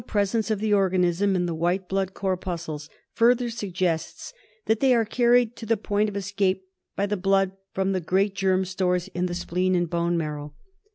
presence of the organism in the white blood corpuscles < further suggests that they are carried to the point of' escape by the blood from the great germ stores in the spleen and bone marrow.